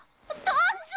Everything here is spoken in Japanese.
団長！